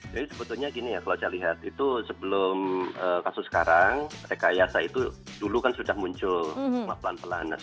jadi sebetulnya gini ya kalau saya lihat itu sebelum kasus sekarang rekayasa itu dulu kan sudah muncul pelan pelan